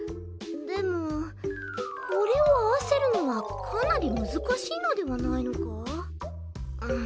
でもこれを合わせるのはかなり難しいのではないのか？